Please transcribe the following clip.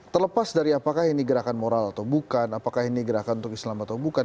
terlepas dari apakah ini gerakan moral atau bukan apakah ini gerakan untuk islam atau bukan